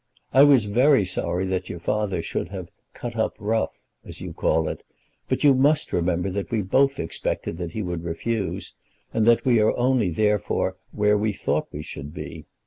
I was very sorry that your father should have "cut up rough," as you call it, but you must remember that we both expected that he would refuse, and that we are only therefore where we thought we should be.